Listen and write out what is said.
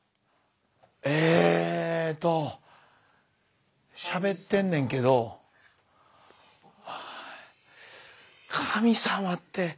えっとしゃべってんねんけど神様って。